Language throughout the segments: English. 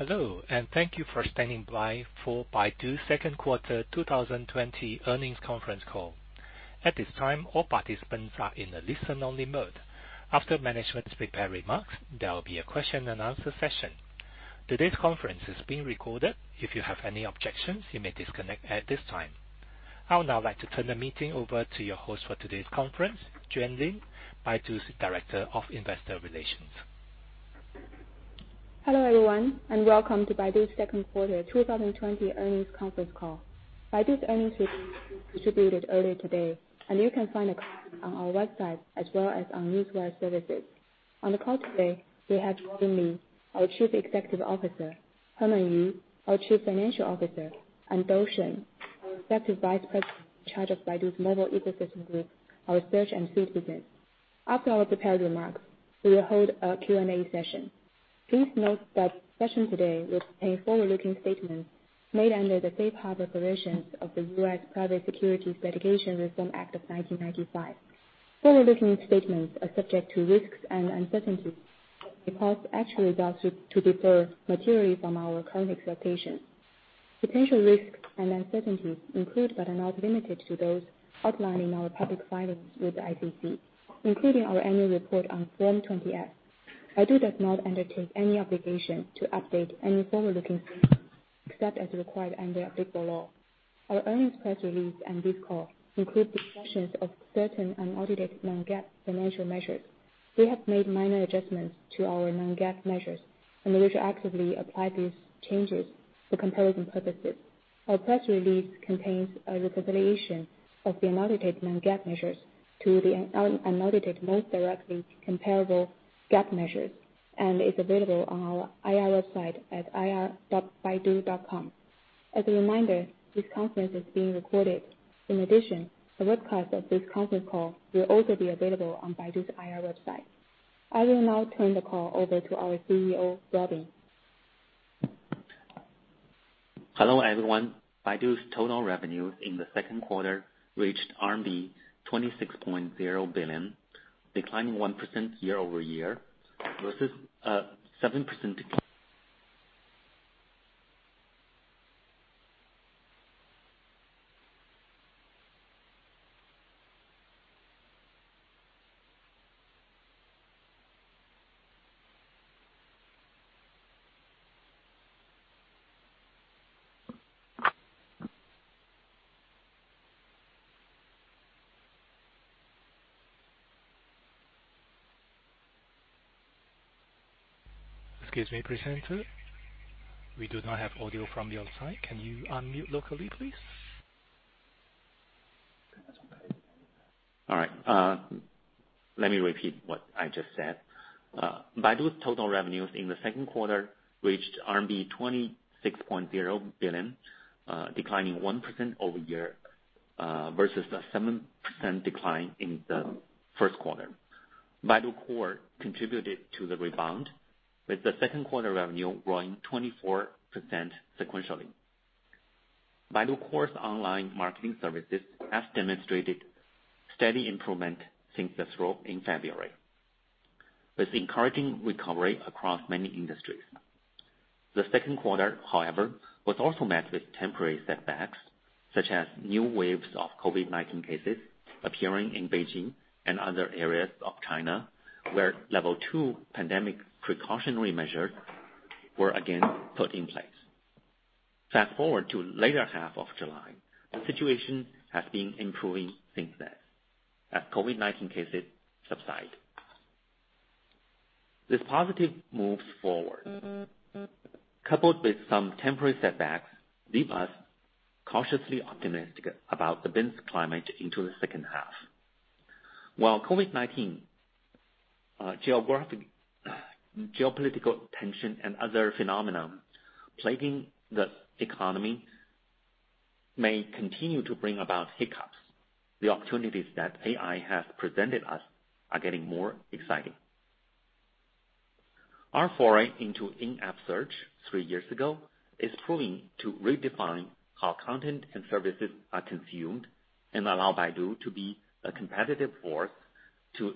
Hello, and thank you for standing by for Baidu's second quarter 2020 earnings conference call. At this time, all participants are in a listen-only mode. After management's prepared remarks, there will be a question and answer session. Today's conference is being recorded. If you have any objections, you may disconnect at this time. I would now like to turn the meeting over to your host for today's conference, Juan Lin, Baidu's Director of Investor Relations. Hello, everyone, and welcome to Baidu's second quarter 2020 earnings conference call. Baidu's earnings were distributed earlier today, and you can find a copy on our website as well as on newswire services. On the call today, we have Robin Li, our Chief Executive Officer, Herman Yu, our Chief Financial Officer, and Dou Shen, our Executive Vice President in charge of Baidu's Mobile Ecosystem Group, our search and feed business. After our prepared remarks, we will hold a Q&A session. Please note that the session today will contain forward-looking statements made under the safe harbor provisions of the U.S. Private Securities Litigation Reform Act of 1995. Forward-looking statements are subject to risks and uncertainties because actual results to differ materially from our current expectations. Potential risks and uncertainties include but are not limited to those outlined in our public filings with the SEC, including our annual report on Form 20-F. Baidu does not undertake any obligation to update any forward-looking statements, except as required under applicable law. Our earnings press release and this call include discussions of certain unaudited non-GAAP financial measures. We have made minor adjustments to our non-GAAP measures, and we will actively apply these changes for comparison purposes. Our press release contains a reconciliation of the unaudited non-GAAP measures to the unaudited most directly comparable GAAP measures and is available on our IR website at ir.baidu.com. As a reminder, this conference is being recorded. In addition, the webcast of this conference call will also be available on Baidu's IR website. I will now turn the call over to our CEO, Robin. Hello, everyone. Baidu's total revenues in the second quarter reached RMB 26.0 billion, declining 1% year-over-year versus 7%. Excuse me, presenter. We do not have audio from your side. Can you unmute locally, please? All right. Let me repeat what I just said. Baidu's total revenues in the second quarter reached RMB 26.0 billion, declining 1% year-over-year, versus a 7% decline in the first quarter. Baidu Core contributed to the rebound, with the second quarter revenue growing 24% sequentially. Baidu Core's online marketing services have demonstrated steady improvement since the trough in February, with encouraging recovery across many industries. The second quarter, however, was also met with temporary setbacks, such as new waves of COVID-19 cases appearing in Beijing and other areas of China, where level two pandemic precautionary measures were again put in place. Fast-forward to later half of July, the situation has been improving since then as COVID-19 cases subside. These positive moves forward, coupled with some temporary setbacks, leave us cautiously optimistic about the business climate into the second half. While COVID-19, geopolitical tension, and other phenomena plaguing the economy may continue to bring about hiccups, the opportunities that AI has presented us are getting more exciting. Our foray into in-app search three years ago is proving to redefine how content and services are consumed and allow Baidu to be a competitive force to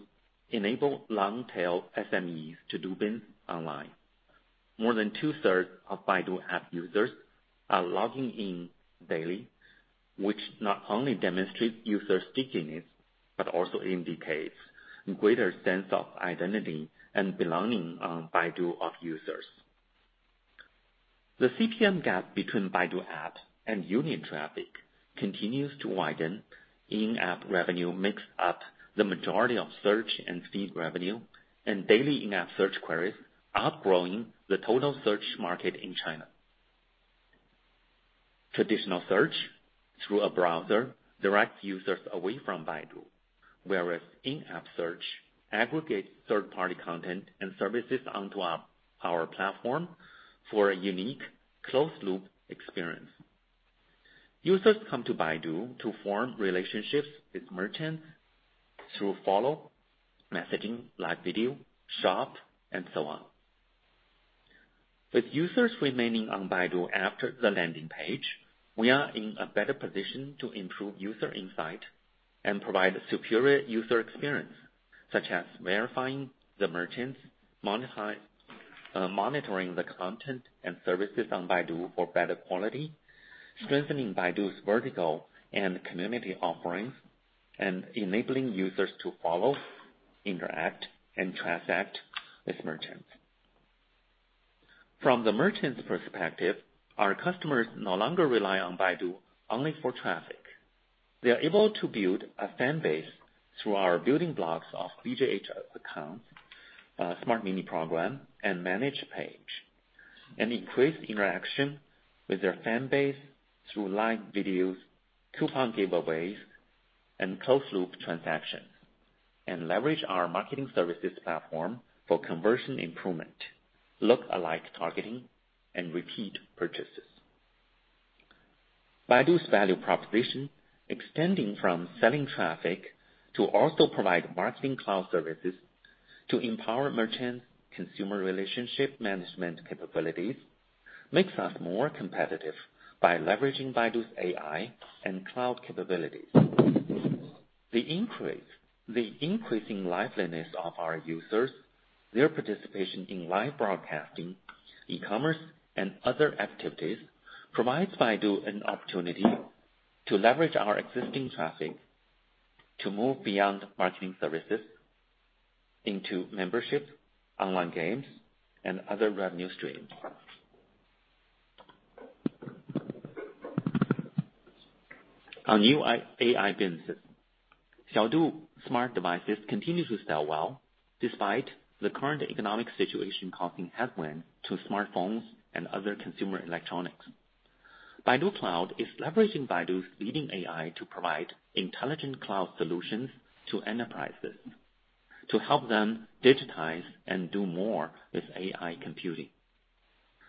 enable long-tail SMEs to do business online. More than two-thirds of Baidu app users are logging in daily, which not only demonstrates user stickiness, but also indicates a greater sense of identity and belonging on Baidu of users. The CPM gap between Baidu app and union traffic continues to widen. In-app revenue makes up the majority of search and feed revenue, and daily in-app search queries outgrowing the total search market in China. Traditional search through a browser directs users away from Baidu, whereas in-app search aggregates third-party content and services onto our platform for a unique closed-loop experience. Users come to Baidu to form relationships with merchants through follow, messaging, live video, shop, and so on. With users remaining on Baidu after the landing page, we are in a better position to improve user insight and provide a superior user experience. Such as verifying the merchants, monitoring the content and services on Baidu for better quality, strengthening Baidu's vertical and community offerings, and enabling users to follow, interact, and transact with merchants. From the merchants' perspective, our customers no longer rely on Baidu only for traffic. They are able to build a fan base through our building blocks of BJH account, Smart Mini Program, and manage page, and increase interaction with their fan base through live videos, coupon giveaways, and closed loop transactions, and leverage our marketing services platform for conversion improvement, look-alike targeting, and repeat purchases. Baidu's value proposition, extending from selling traffic to also provide marketing cloud services to empower merchant consumer relationship management capabilities, makes us more competitive by leveraging Baidu's AI and cloud capabilities. The increasing liveliness of our users, their participation in live broadcasting, e-commerce, and other activities, provides Baidu an opportunity to leverage our existing traffic to move beyond marketing services into membership, online games, and other revenue streams. On new AI businesses. Xiaodu smart devices continue to sell well despite the current economic situation causing headwind to smartphones and other consumer electronics. Baidu Cloud is leveraging Baidu's leading AI to provide intelligent cloud solutions to enterprises to help them digitize and do more with AI computing.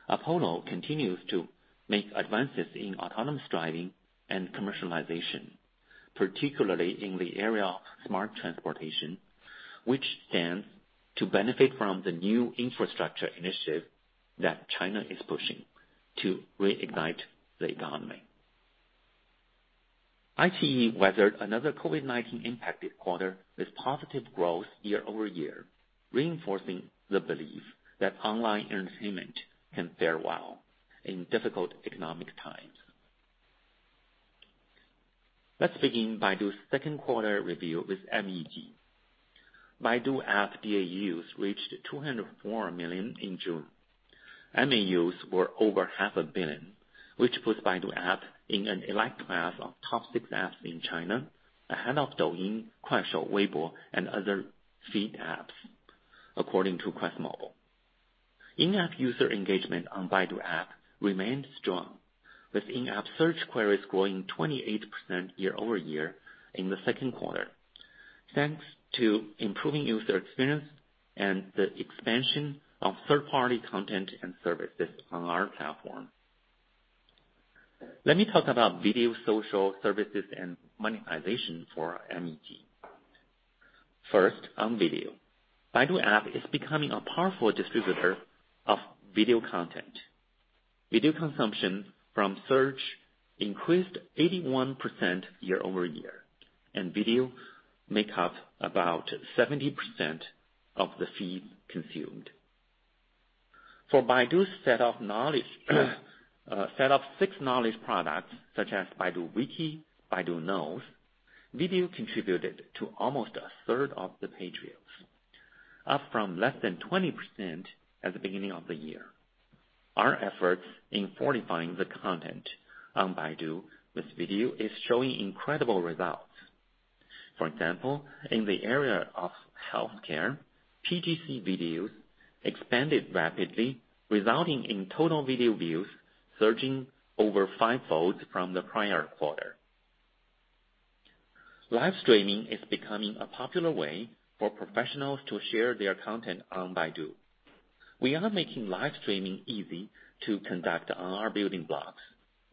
Apollo continues to make advances in autonomous driving and commercialization, particularly in the area of smart transportation, which stands to benefit from the New Infrastructure Initiative that China is pushing to reignite the economy. ICE weathered another COVID-19 impacted quarter with positive growth year-over-year, reinforcing the belief that online entertainment can fare well in difficult economic times. Let's begin Baidu's second quarter review with MEG. Baidu app DAUs reached 204 million in June. MAUs were over half a billion, which puts Baidu app in an elite class of top six apps in China, ahead of Douyin, Kuaishou, Weibo, and other feed apps, according to QuestMobile. In-app user engagement on Baidu app remained strong, with in-app search queries growing 28% year-over-year in the second quarter, thanks to improving user experience and the expansion of third-party content and services on our platform. Let me talk about video social services and monetization for MEG. On video. Baidu app is becoming a powerful distributor of video content. Video consumption from search increased 81% year-over-year, and video make up about 70% of the feed consumed. For Baidu's set of six knowledge products, such as Baidu Wiki, Baidu Knows, video contributed to almost a third of the page views, up from less than 20% at the beginning of the year. Our efforts in fortifying the content on Baidu with video is showing incredible results. For example, in the area of healthcare, PGC videos expanded rapidly, resulting in total video views surging over fivefold from the prior quarter. Live streaming is becoming a popular way for professionals to share their content on Baidu. We are making live streaming easy to conduct on our building blocks,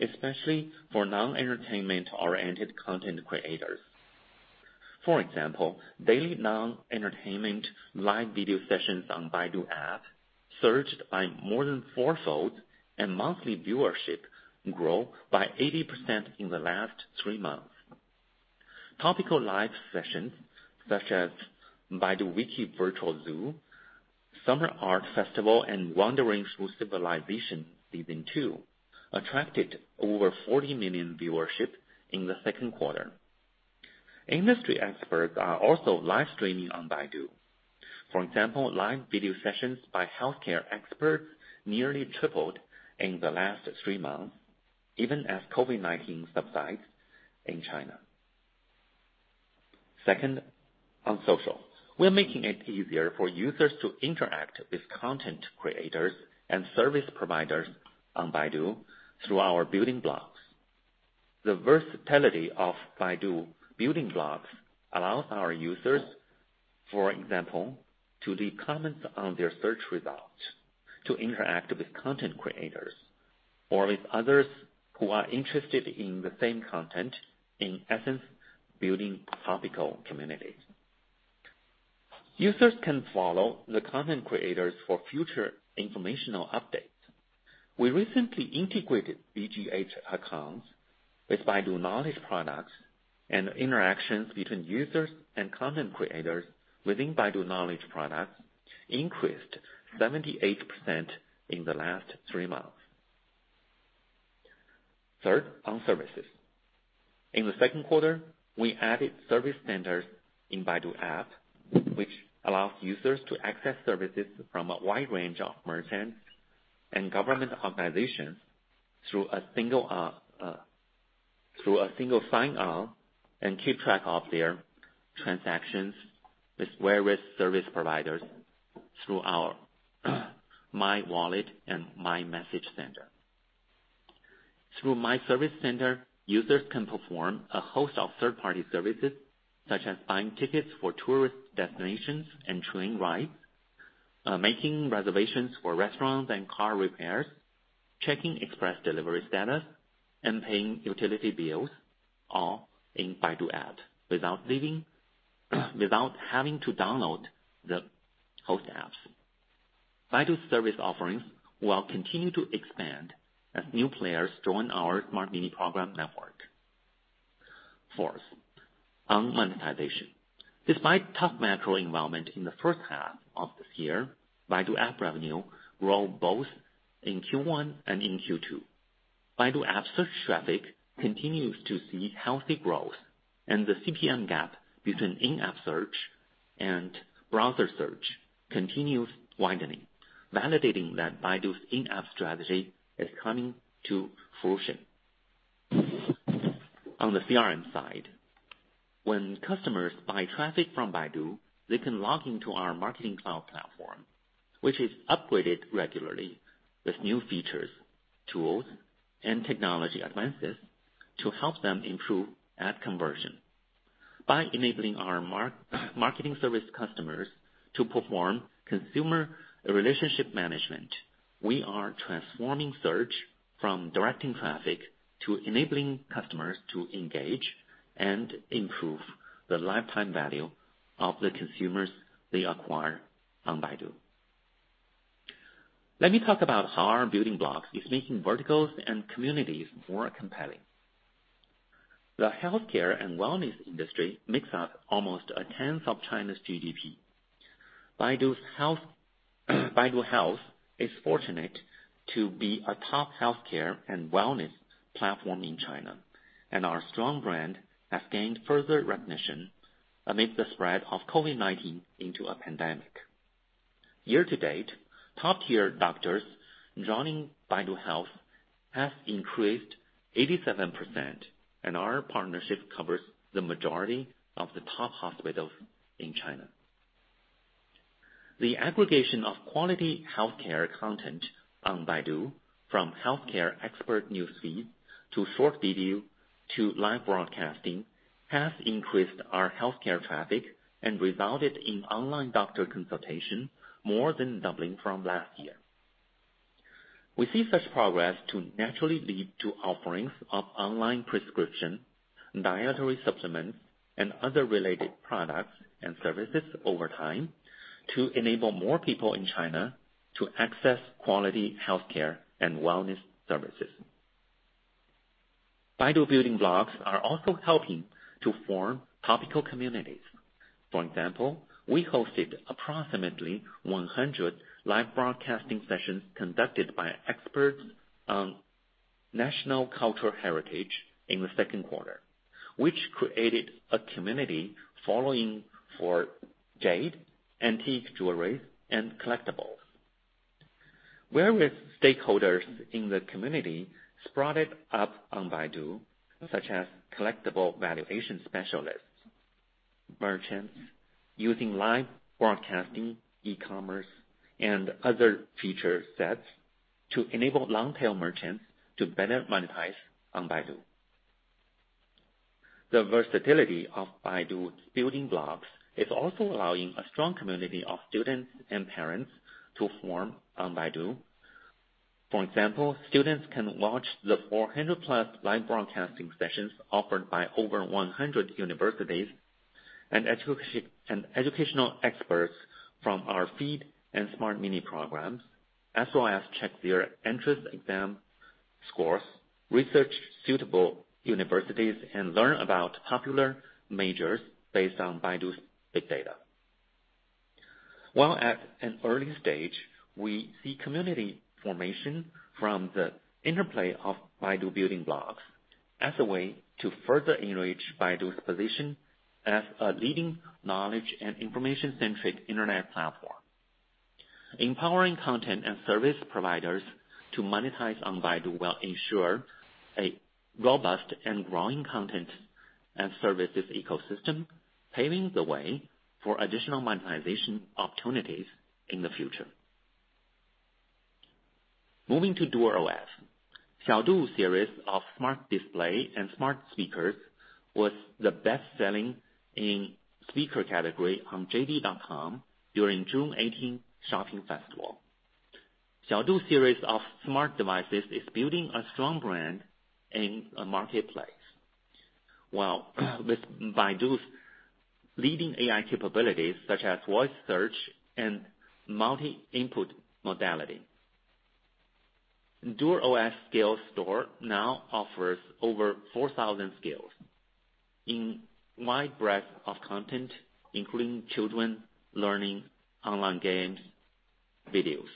especially for non-entertainment oriented content creators. For example, daily non-entertainment live video sessions on Baidu app surged by more than fourfold, and monthly viewership grow by 80% in the last three months. Topical live sessions such as Baidu Wiki Virtual Zoo, Summer Art Festival, and Wandering through Civilization Season two attracted over 40 million viewership in the second quarter. Industry experts are also live streaming on Baidu. For example, live video sessions by healthcare experts nearly tripled in the last three months, even as COVID-19 subsides in China. Second, on social. We're making it easier for users to interact with content creators and service providers on Baidu through our building blocks. The versatility of Baidu building blocks allows our users, for example, to leave comments on their search results, to interact with content creators or with others who are interested in the same content, in essence, building topical communities. Users can follow the content creators for future informational updates. We recently integrated Baijiahao accounts with Baidu Knowledge products and interactions between users and content creators within Baidu Knowledge products increased 78% in the last three months. Third, on services. In the second quarter, we added service centers in Baidu app, which allows users to access services from a wide range of merchants and government organizations through a single sign-on and keep track of their transactions with various service providers through our My Wallet and My Message Center. Through My Service Center, users can perform a host of third-party services, such as buying tickets for tourist destinations and train rides, making reservations for restaurants and car repairs, checking express delivery status, and paying utility bills, all in Baidu app without having to download the host apps. Baidu service offerings will continue to expand as new players join our Smart Mini Program network. Fourth, on monetization. Despite tough macro environment in the first half of this year, Baidu app revenue grew both in Q1 and in Q2. Baidu app search traffic continues to see healthy growth and the CPM gap between in-app search and browser search continues widening, validating that Baidu's in-app strategy is coming to fruition. On the CRM side, when customers buy traffic from Baidu, they can log into our marketing cloud platform, which is upgraded regularly with new features, tools, and technology advances to help them improve ad conversion. By enabling our marketing service customers to perform consumer relationship management, we are transforming search from directing traffic to enabling customers to engage and improve the lifetime value of the consumers they acquire on Baidu. Let me talk about how our building blocks is making verticals and communities more compelling. The healthcare and wellness industry makes up almost a tenth of China's GDP. Baidu Health is fortunate to be a top healthcare and wellness platform in China, and our strong brand has gained further recognition amidst the spread of COVID-19 into a pandemic. Year to date, top-tier doctors joining Baidu Health has increased 87%. Our partnership covers the majority of the top hospitals in China. The aggregation of quality healthcare content on Baidu, from healthcare expert newsfeed to short video to live broadcasting, has increased our healthcare traffic and resulted in online doctor consultation more than doubling from last year. We see such progress to naturally lead to offerings of online prescription, dietary supplements, and other related products and services over time to enable more people in China to access quality healthcare and wellness services. Baidu building blocks are also helping to form topical communities. For example, we hosted approximately 100 live broadcasting sessions conducted by experts on national cultural heritage in the second quarter, which created a community following for jade, antique jewelry, and collectibles. Various stakeholders in the community sprouted up on Baidu, such as collectible valuation specialists, merchants using live broadcasting, e-commerce, and other feature sets to enable long-tail merchants to better monetize on Baidu. The versatility of Baidu's building blocks is also allowing a strong community of students and parents to form on Baidu. For example, students can watch the 400+ live broadcasting sessions offered by over 100 universities and educational experts from our feed and Smart Mini-Programs, as well as check their entrance exam scores, research suitable universities, and learn about popular majors based on Baidu's big data. While at an early stage, we see community formation from the interplay of Baidu building blocks as a way to further enrich Baidu's position as a leading knowledge and information-centric internet platform. Empowering content and service providers to monetize on Baidu will ensure a robust and growing content and services ecosystem, paving the way for additional monetization opportunities in the future. Moving to DuerOS. Xiaodu series of smart display and smart speakers was the best selling in speaker category on JD.com during June 18 shopping festival. Xiaodu series of smart devices is building a strong brand in a marketplace. Well, with Baidu's leading AI capabilities, such as voice search and multi-input modality. DuerOS Skill Store now offers over 4,000 skills in wide breadth of content, including children learning online games, videos.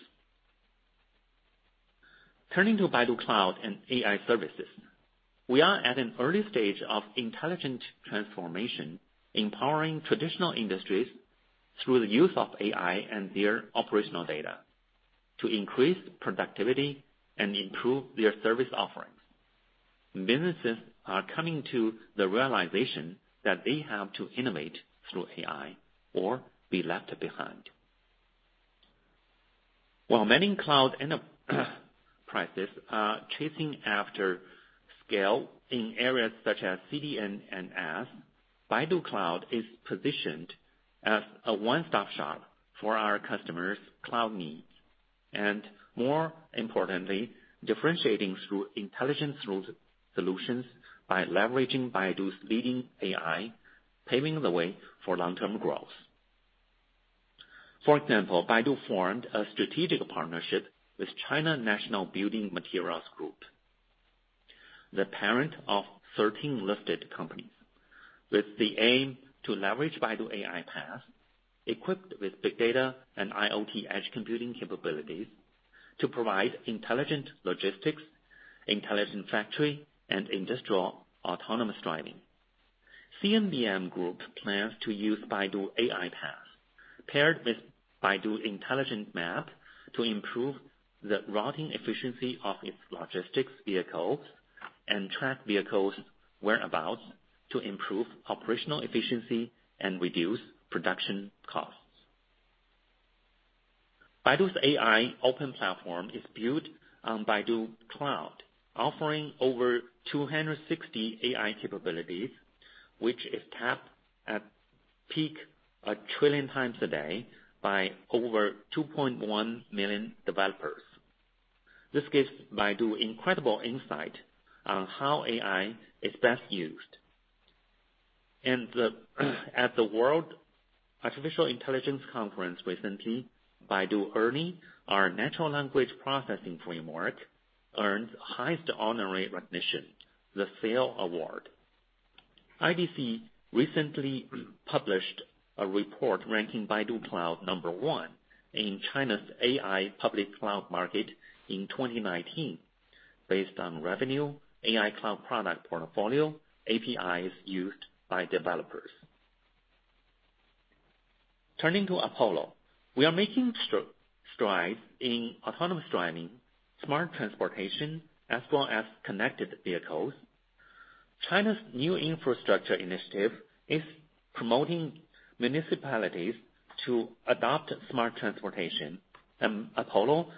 Turning to Baidu Cloud and AI services, we are at an early stage of intelligent transformation, empowering traditional industries through the use of AI and their operational data to increase productivity and improve their service offerings. Businesses are coming to the realization that they have to innovate through AI or be left behind. While many cloud enterprises are chasing after scale in areas such as CDNs, Baidu Cloud is positioned as a one-stop shop for our customers' cloud needs, and more importantly, differentiating through intelligent solutions by leveraging Baidu's leading AI, paving the way for long-term growth. For example, Baidu formed a strategic partnership with China National Building Material Group, the parent of 13 listed companies. With the aim to leverage Baidu AI PaaS, equipped with big data and IoT edge computing capabilities to provide intelligent logistics, intelligent factory, and industrial autonomous driving. CNBM Group plans to use Baidu AI PaaS paired with Baidu intelligent map to improve the routing efficiency of its logistics vehicles and track vehicles whereabouts to improve operational efficiency and reduce production costs. Baidu's AI open platform is built on Baidu Cloud, offering over 260 AI capabilities, which is tapped at peak a trillion times a day by over 2.1 million developers. This gives Baidu incredible insight on how AI is best used. At the World Artificial Intelligence Conference recently, Baidu ERNIE, our natural language processing framework, earned highest honorary recognition, the SAIL Award. IDC recently published a report ranking Baidu Cloud number one in China's AI public cloud market in 2019, based on revenue, AI cloud product portfolio, APIs used by developers. Turning to Apollo, we are making strides in autonomous driving, smart transportation, as well as connected vehicles. China's new infrastructure initiative is promoting municipalities to adopt smart transportation. Apollo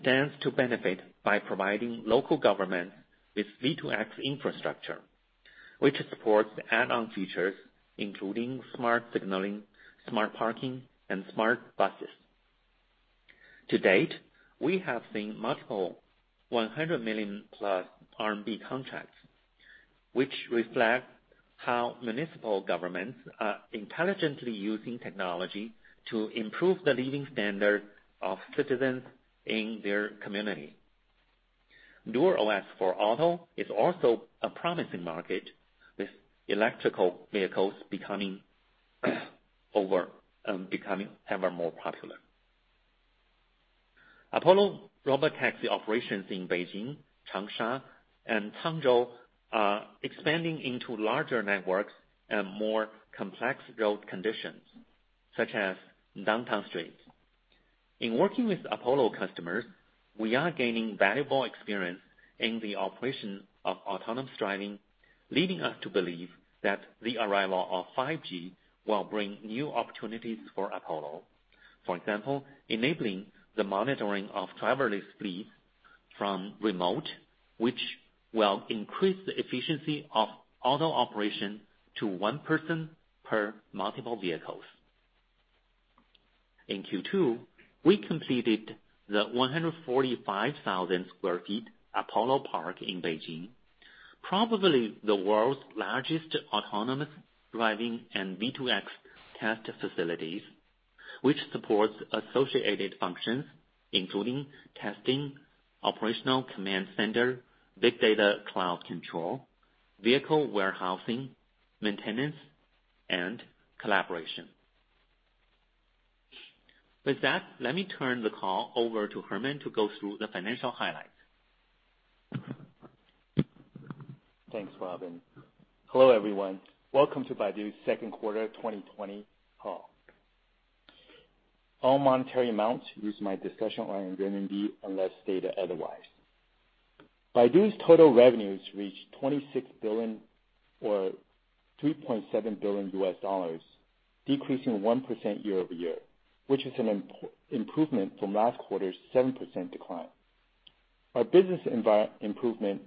stands to benefit by providing local government with V2X infrastructure, which supports add-on features, including smart signaling, smart parking, and smart buses. To date, we have seen multiple 100 million RMB plus contracts, which reflect how municipal governments are intelligently using technology to improve the living standard of citizens in their community. DuerOS for Auto is also a promising market, with electrical vehicles becoming ever more popular. Apollo robot taxi operations in Beijing, Changsha, and Hangzhou are expanding into larger networks and more complex road conditions, such as downtown streets. In working with Apollo customers, we are gaining valuable experience in the operation of autonomous driving, leading us to believe that the arrival of 5G will bring new opportunities for Apollo. For example, enabling the monitoring of driverless fleets from remote, which will increase the efficiency of auto operation to one person per multiple vehicles. In Q2, we completed the 145,000 sq ft Apollo Park in Beijing, probably the world's largest autonomous driving and V2X test facilities, which supports associated functions including testing, operational command center, big data, cloud control, vehicle warehousing, maintenance, and collaboration. With that, let me turn the call over to Herman to go through the financial highlights. Thanks, Robin. Hello, everyone. Welcome to Baidu's second quarter 2020 call. All monetary amounts used in my discussion are in RMB unless stated otherwise. Baidu's total revenues reached RMB 26 billion or $3.7 billion, decreasing 1% year-over-year, which is an improvement from last quarter's 7% decline. Our business improvement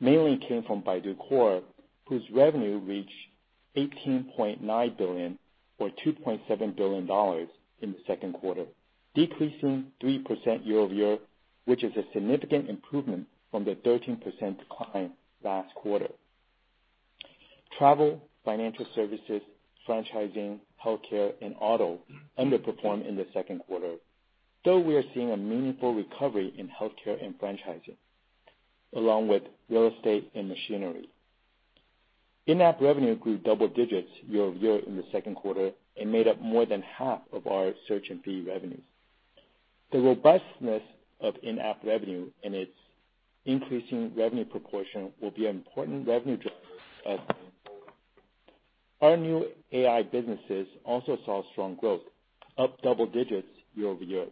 mainly came from Baidu Core, whose revenue reached 18.9 billion or $2.7 billion in the second quarter, decreasing 3% year-over-year, which is a significant improvement from the 13% decline last quarter. Travel, financial services, franchising, healthcare, and auto underperformed in the second quarter, though we are seeing a meaningful recovery in healthcare and franchising, along with real estate and machinery. In-app revenue grew double digits year-over-year in the second quarter and made up more than half of our search and feed revenues. The robustness of in-app revenue and its increasing revenue proportion will be an important revenue driver as we move forward. Our new AI businesses also saw strong growth, up double-digits year-over-year,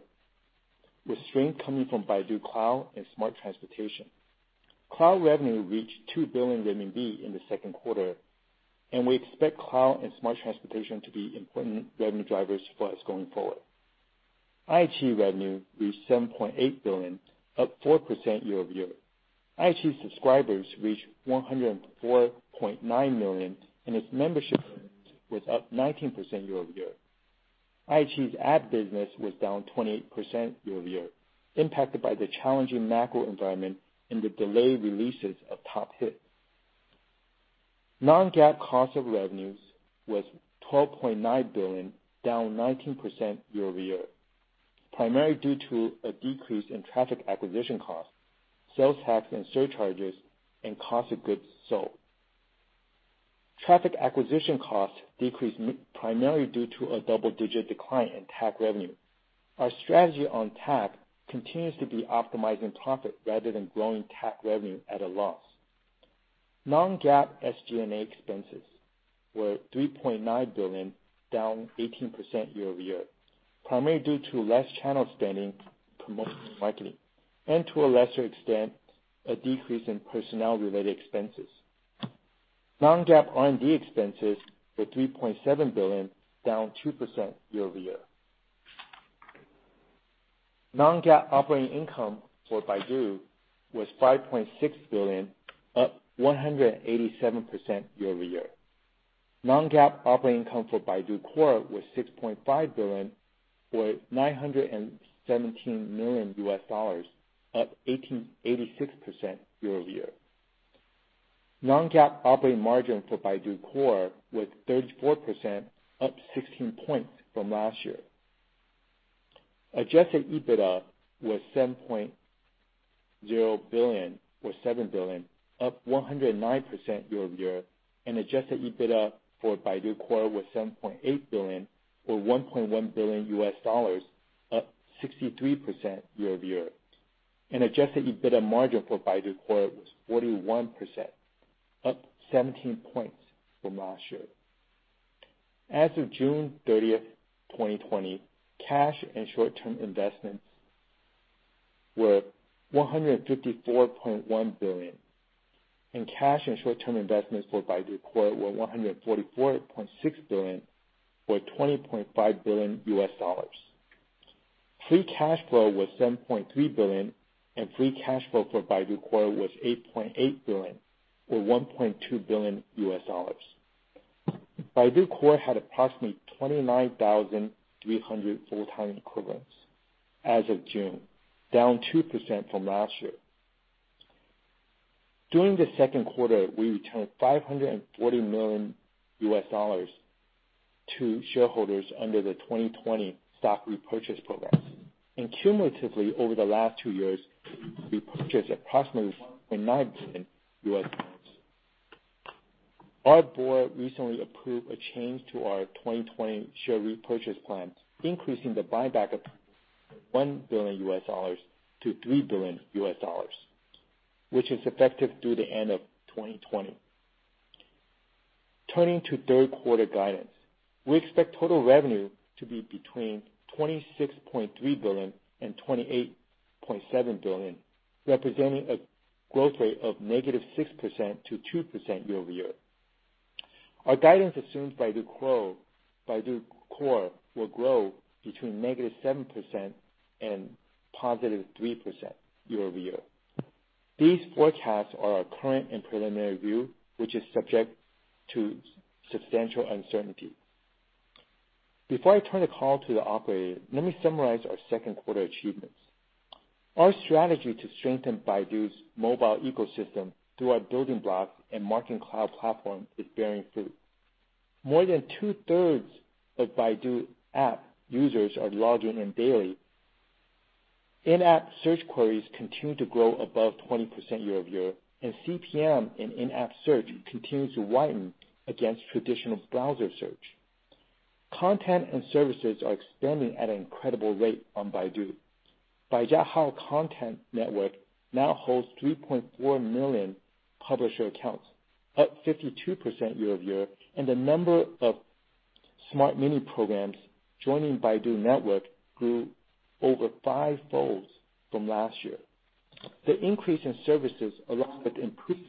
with strength coming from Baidu Cloud and Smart Transportation. Cloud revenue reached 2 billion RMB in the second quarter, and we expect cloud and Smart Transportation to be important revenue drivers for us going forward. iQIYI revenue reached 7.8 billion, up 4% year-over-year. iQIYI subscribers reached 104.9 million, and its membership was up 19% year-over-year. iQIYI's ad business was down 28% year-over-year, impacted by the challenging macro environment and the delayed releases of top hits. Non-GAAP cost of revenues was 12.9 billion, down 19% year-over-year, primarily due to a decrease in traffic acquisition costs, sales tax and surcharges, and cost of goods sold. Traffic acquisition costs decreased primarily due to a double-digit decline in TAC revenue. Our strategy on TAC continues to be optimizing profit rather than growing TAC revenue at a loss. Non-GAAP SG&A expenses were 3.9 billion, down 18% year-over-year, primarily due to less channel spending, promotion and marketing, and to a lesser extent, a decrease in personnel-related expenses. Non-GAAP R&D expenses were 3.7 billion, down 2% year-over-year. Non-GAAP operating income for Baidu was 5.6 billion, up 187% year-over-year. Non-GAAP operating income for Baidu Core was 6.5 billion or $917 million, up 86% year-over-year. Non-GAAP operating margin for Baidu Core was 34%, up 16 points from last year. Adjusted EBITDA was 7.0 billion, or 7 billion, up 109% year-over-year, and Adjusted EBITDA for Baidu Core was 7.8 billion or $1.1 billion, up 63% year-over-year. Adjusted EBITDA margin for Baidu Core was 41%, up 17 points from last year. As of June 30th, 2020, cash and short-term investments were 154.1 billion, and cash and short-term investments for Baidu Core were 144.6 billion or $20.5 billion. Free cash flow was 7.3 billion, and free cash flow for Baidu Core was 8.8 billion, or $1.2 billion. Baidu Core had approximately 29,300 full-time equivalents as of June, down 2% from last year. During the second quarter, we returned $540 million to shareholders under the 2020 stock repurchase programs. Cumulatively, over the last two years, we purchased approximately $1.9 billion. Our board recently approved a change to our 2020 share repurchase plan, increasing the buyback of $1 billion-$3 billion, which is effective through the end of 2020. Turning to third quarter guidance. We expect total revenue to be between 26.3 billion and 28.7 billion, representing a growth rate of -6% to 2% year-over-year. Our guidance assumes Baidu Core will grow between -7% and 3% year-over-year. These forecasts are our current and preliminary view, which is subject to substantial uncertainty. Before I turn the call to the operator, let me summarize our second quarter achievements. Our strategy to strengthen Baidu's mobile ecosystem through our building blocks and marketing cloud platform is bearing fruit. More than two-thirds of Baidu app users are logging in daily. In-app search queries continue to grow above 20% year-over-year, and CPM in in-app search continues to widen against traditional browser search. Content and services are expanding at an incredible rate on Baidu. Baijiahao content network now hosts 3.4 million publisher accounts, up 52% year-over-year, and the number of Smart Mini Programs joining Baidu network grew over fivefold from last year. The increase in services, along with improved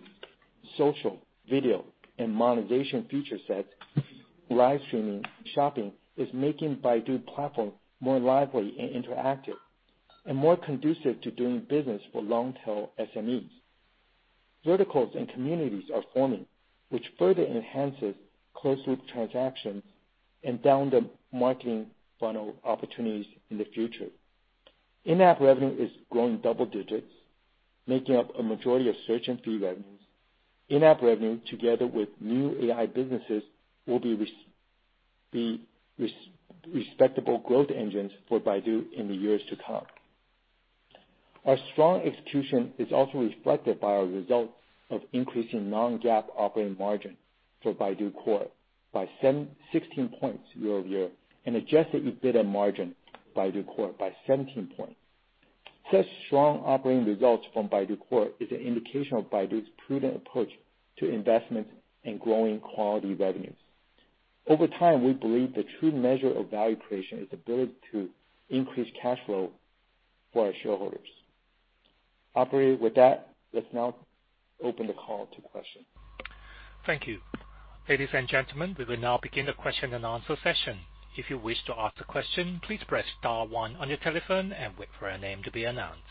social, video, and monetization feature set, live streaming shopping is making Baidu platform more lively and interactive, and more conducive to doing business for long-tail SMEs. Verticals and communities are forming, which further enhances closed-loop transactions and down-the-marketing funnel opportunities in the future. In-app revenue is growing double digits, making up a majority of search and feed revenues. In-app revenue, together with new AI businesses, will be respectable growth engines for Baidu in the years to come. Our strong execution is also reflected by our results of increasing non-GAAP operating margin for Baidu Core by 16 points year-over-year, and adjusted EBITDA margin Baidu Core by 17 points. Such strong operating results from Baidu Core is an indication of Baidu's prudent approach to investment and growing quality revenues. Over time, we believe the true measure of value creation is the ability to increase cash flow for our shareholders. Operator, with that, let's now open the call to questions. Thank you. Ladies and gentlemen, we will now begin the question and answer session. If you wish to ask a question, please press *1 on your telephone and wait for your name to be announced.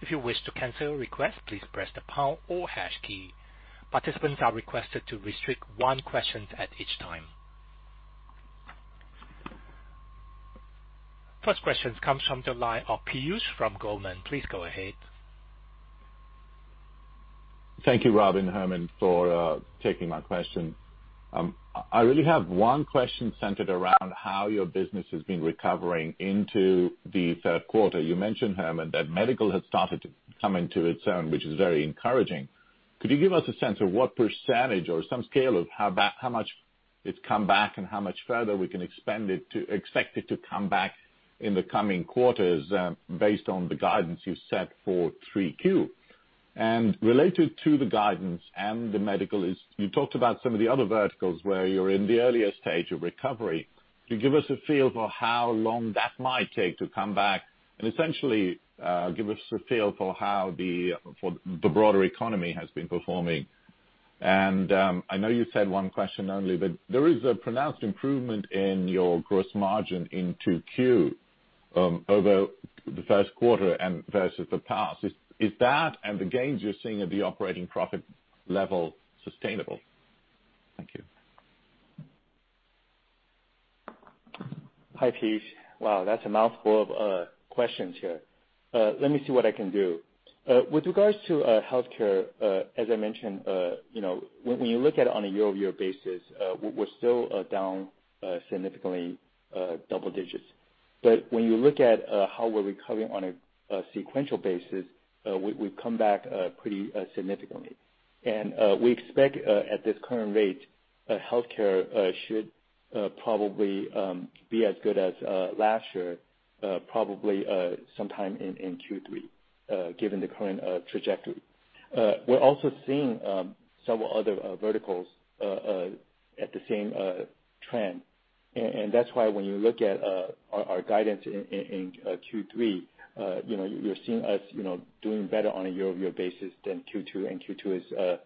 If you wish to cancel a request, please press the pound or hash key. Participants are requested to restrict one question at each time. First question comes from the line of Piyush from Goldman. Please go ahead. Thank you, Robin, Herman, for taking my question. I really have one question centered around how your business has been recovering into the third quarter. You mentioned, Herman, that medical has started to come into its own, which is very encouraging. Could you give us a sense of what percentage or some scale of how much it's come back and how much further we can expect it to come back in the coming quarters based on the guidance you set for 3Q? Related to the guidance and the medical is, you talked about some of the other verticals where you're in the earlier stage of recovery. Could you give us a feel for how long that might take to come back, and essentially, give us a feel for how the broader economy has been performing? I know you said one question only. There is a pronounced improvement in your gross margin in 2Q over the first quarter and versus the past. Is that and the gains you're seeing at the operating profit level sustainable? Thank you. Hi, Piyush. Wow, that's a mouthful of questions here. Let me see what I can do. With regards to healthcare, as I mentioned, when you look at it on a year-over-year basis, we're still down significantly double digits. When you look at how we're recovering on a sequential basis, we've come back pretty significantly. We expect, at this current rate, healthcare should probably be as good as last year, probably sometime in Q3, given the current trajectory. We're also seeing some other verticals at the same trend. That's why when you look at our guidance in Q3, you're seeing us doing better on a year-over-year basis than Q2,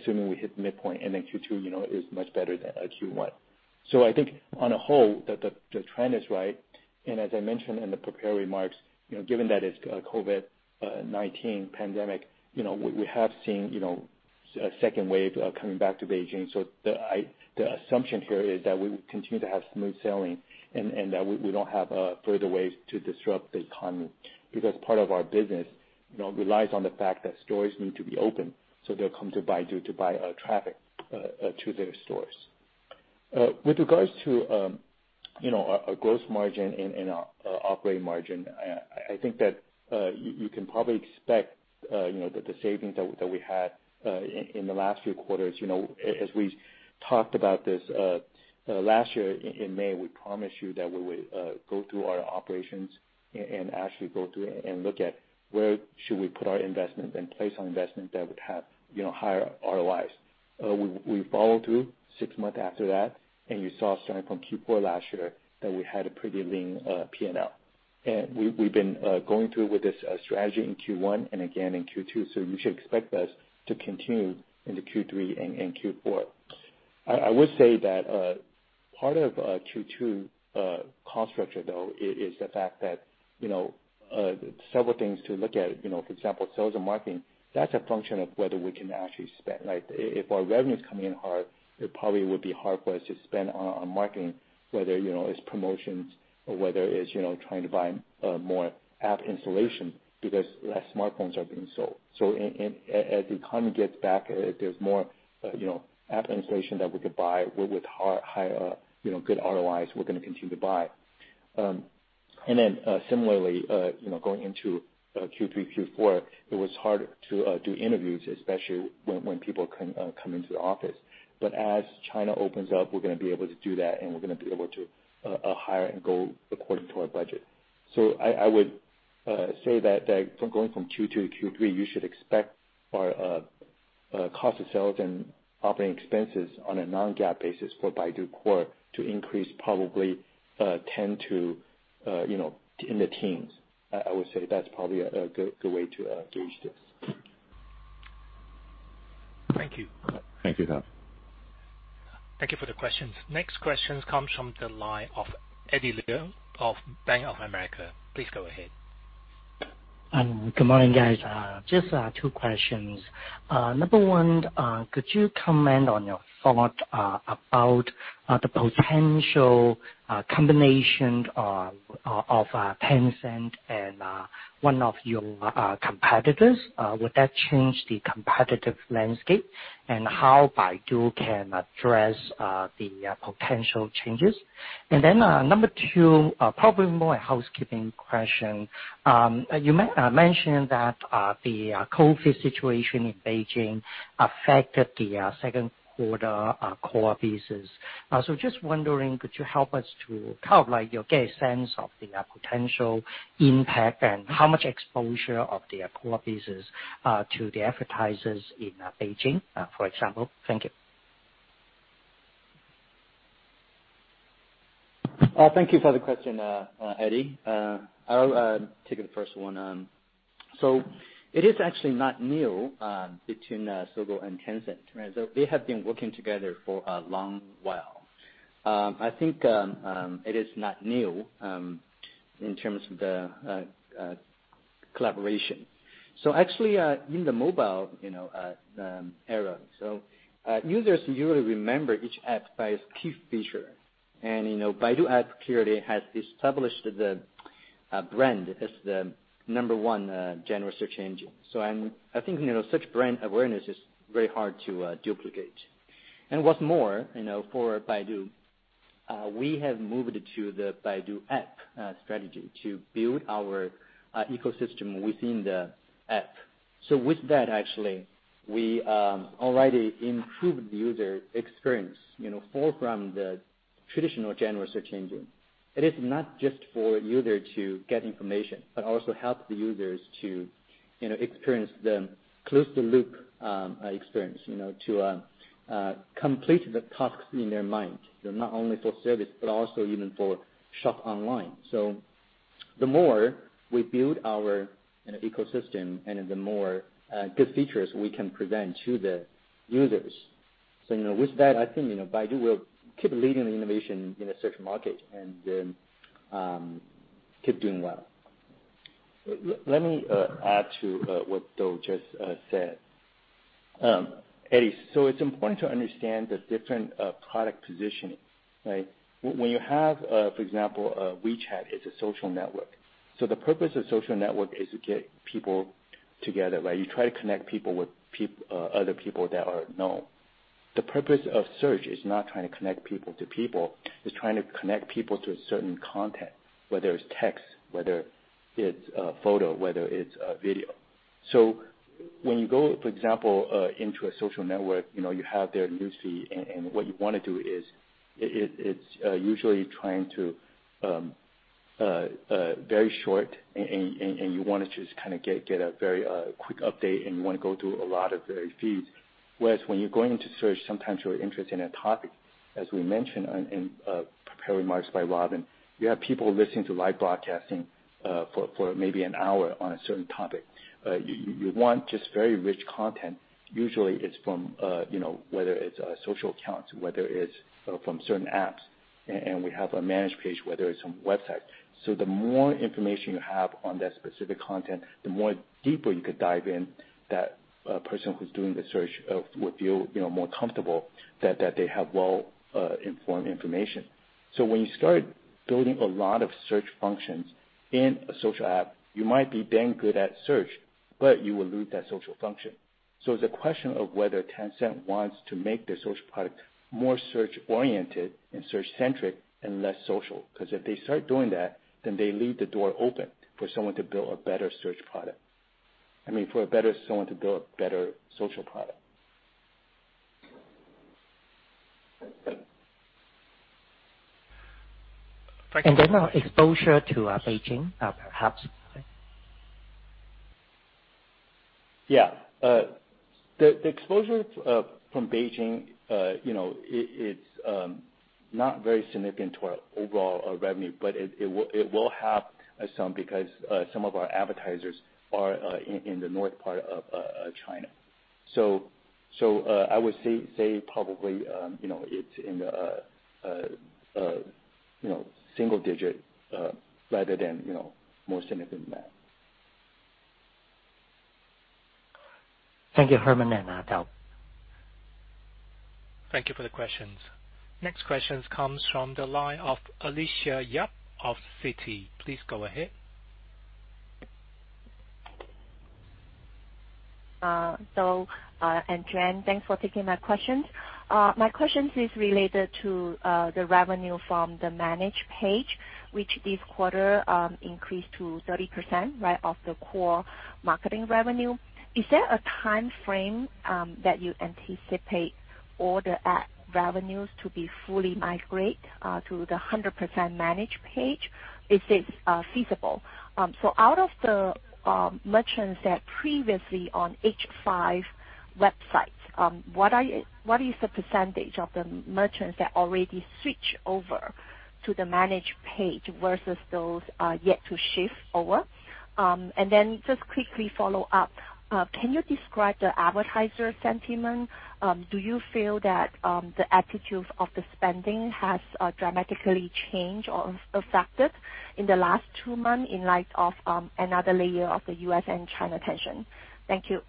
assuming we hit midpoint, Q2 is much better than Q1. I think on a whole, the trend is right. As I mentioned in the prepared remarks, given that it's COVID-19 pandemic, we have seen a second wave coming back to Beijing. The assumption here is that we will continue to have smooth sailing and that we don't have further waves to disrupt the economy. Part of our business relies on the fact that stores need to be open, so they'll come to Baidu to drive traffic to their stores. With regards to our gross margin and our operating margin, I think that you can probably expect that the savings that we had in the last few quarters, as we talked about this last year in May, we promised you that we would go through our operations and actually go through and look at where should we put our investment and place our investment that would have higher ROIs. We followed through six months after that, you saw starting from Q4 last year that we had a pretty lean P&L. We've been going through with this strategy in Q1 and again in Q2, you should expect this to continue into Q3 and Q4. I would say that part of Q2 cost structure, though, is the fact that several things to look at, for example, sales and marketing, that's a function of whether we can actually spend. If our revenue is coming in hard, it probably would be hard for us to spend on marketing, whether it's promotions or whether it's trying to buy more app installation because less smartphones are being sold. As the economy gets back, there's more app installation that we could buy with good ROIs, we're going to continue to buy. Similarly, going into Q3, Q4, it was hard to do interviews, especially when people can come into the office. As China opens up, we're going to be able to do that, and we're going to be able to hire and go according to our budget. I would say that going from Q2 to Q3, you should expect our cost of sales and operating expenses on a non-GAAP basis for Baidu Core to increase probably 10 to in the teens. I would say that's probably a good way to gauge this. Thank you. Thank you, Dou. Thank you for the questions. Next questions comes from the line of Eddie Leung of Bank of America. Please go ahead. Good morning, guys. Just two questions. Number one, could you comment on your thought about the potential combination of Tencent and one of your competitors? Would that change the competitive landscape, and how Baidu can address the potential changes? Number two, probably more a housekeeping question. You mentioned that the COVID situation in Beijing affected the second quarter Baidu Core business. So just wondering, could you help us to get a sense of the potential impact and how much exposure of the Baidu Core business to the advertisers in Beijing, for example? Thank you. Thank you for the question, Eddie. I'll take the first one. It is actually not new between Sogou and Tencent. They have been working together for a long while. I think it is not new in terms of the collaboration. Actually, in the mobile era. Users usually remember each app by its key feature. Baidu app clearly has established the brand as the number one general search engine. I think such brand awareness is very hard to duplicate. What's more, for Baidu, we have moved to the Baidu app strategy to build our ecosystem within the app. With that, actually, we already improved the user experience far from the traditional general search engine. It is not just for user to get information, but also help the users to experience the close-the-loop experience, to complete the tasks in their mind, not only for service, but also even for shop online. The more we build our ecosystem and the more good features we can present to the users. With that, I think Baidu will keep leading the innovation in the search market and keep doing well. Let me add to what Dou just said. Eddie, it's important to understand the different product positioning, right? When you have, for example, WeChat is a social network. The purpose of social network is to get people together, right? You try to connect people with other people that are known. The purpose of search is not trying to connect people to people, it's trying to connect people to a certain content, whether it's text, whether it's a photo, whether it's a video. When you go, for example, into a social network, you have their news feed, and what you want to do is it's usually trying to very short, and you want to just kind of get a very quick update, and you want to go through a lot of their feeds. Whereas when you're going into search, sometimes you're interested in a topic, as we mentioned in prepared remarks by Robin, you have people listening to live broadcasting for maybe an hour on a certain topic. You want just very rich content. Usually it's from, whether it's a social account, whether it's from certain apps, and we have a managed page, whether it's from websites. The more information you have on that specific content, the more deeper you could dive in, that person who's doing the search would feel more comfortable that they have well-informed information. When you start building a lot of search functions in a social app, you might be dang good at search, but you will lose that social function. It's a question of whether Tencent wants to make their social product more search-oriented and search-centric and less social, because if they start doing that, then they leave the door open for someone to build a better social product. Exposure to Beijing, perhaps? Yeah. The exposure from Beijing, it's not very significant to our overall revenue, but it will have some because some of our advertisers are in the north part of China. I would say probably it's in the single digit rather than more significant than that. Thank you, Herman and Dou. Thank you for the questions. Next questions comes from the line of Alicia Yap of Citi. Please go ahead. Dou and Juan, thanks for taking my questions. My questions are related to the revenue from the managed page, which this quarter increased to 30% of the core marketing revenue. Is there a timeframe that you anticipate all the ad revenues to be fully migrate to the 100% managed page? Is it feasible? Out of the merchants that previously on H5 websites, what is the percentage of the merchants that already switch over to the managed page versus those yet to shift over? Just quickly follow up, can you describe the advertiser sentiment? Do you feel that the attitudes of the spending have dramatically changed or affected in the last two months in light of another layer of the U.S. and China tension? Thank you.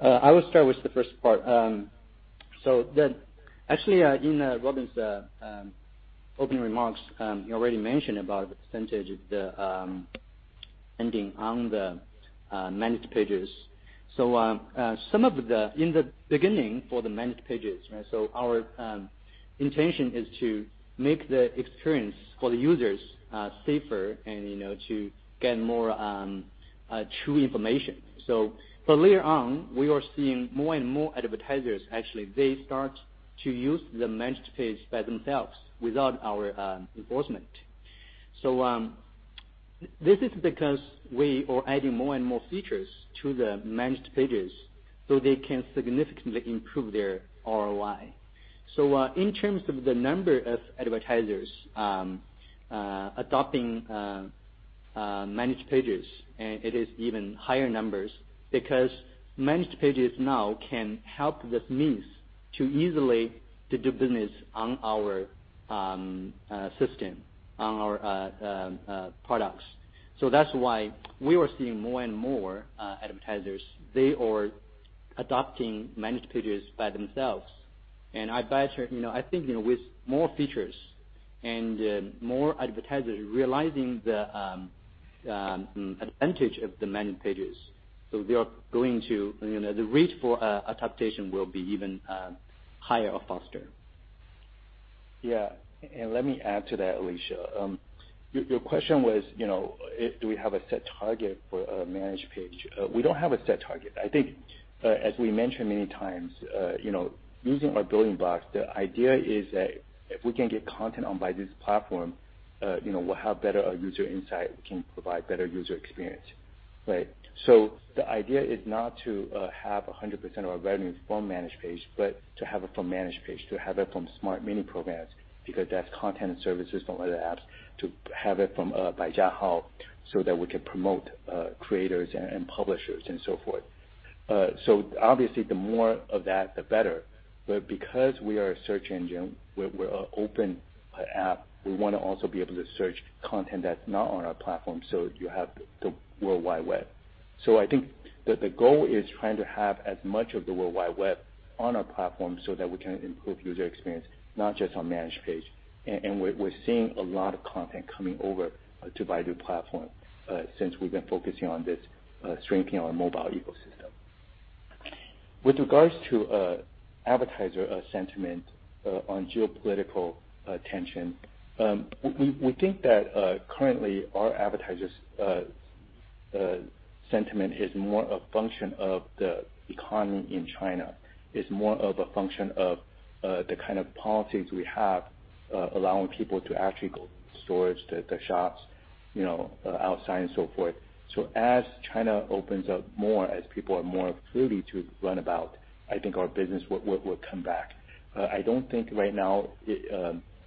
I will start with the first part. Actually, in Robin's opening remarks, he already mentioned about the percentage of the ending on the managed pages. Some of the, in the beginning for the managed pages, our intention is to make the experience for the users safer and to get more true information. For later on, we are seeing more and more advertisers, actually, they start to use the managed page by themselves without our enforcement. This is because we are adding more and more features to the managed pages so they can significantly improve their ROI. In terms of the number of advertisers adopting managed pages, it is even higher numbers because managed pages now can help with means to easily do business on our system, on our products. That's why we are seeing more and more advertisers. They are adopting managed pages by themselves. I think with more features and more advertisers realizing the advantage of the managed pages, the rate for adaptation will be even higher or faster. Yeah. Let me add to that, Alicia. Your question was, do we have a set target for a managed page? We don't have a set target. I think, as we mentioned many times, using our building blocks, the idea is that if we can get content on Baidu's platform, we'll have better user insight, we can provide better user experience. Right. The idea is not to have 100% of our revenues from managed page, but to have it from managed page, to have it from Smart Mini Programs, because that's content and services from other apps, to have it from Baijiahao so that we can promote creators and publishers and so forth. Obviously the more of that, the better. Because we are a search engine, we're an open app, we want to also be able to search content that's not on our platform, so you have the World Wide Web. I think that the goal is trying to have as much of the World Wide Web on our platform so that we can improve user experience, not just on managed page. We're seeing a lot of content coming over to Baidu platform since we've been focusing on this strengthening our mobile ecosystem. With regards to advertiser sentiment on geopolitical tension, we think that currently our advertisers' sentiment is more a function of the economy in China, is more of a function of the kind of policies we have allowing people to actually go to the stores, to the shops outside and so forth. As China opens up more, as people are more free to run about, I think our business will come back. I don't think right now